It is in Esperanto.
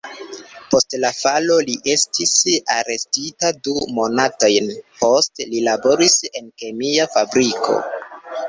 Post la falo li estis arestita du monatojn, poste li laboris en kemia fabriko.